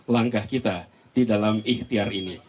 langkah kita di dalam ikhtiar ini